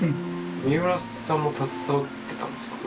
三浦さんも携わってたんですか？